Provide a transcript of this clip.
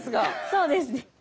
そうですね。